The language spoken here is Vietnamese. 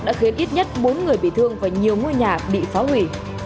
đã khiến ít nhất bốn người bị thương và nhiều ngôi nhà bị phá hủy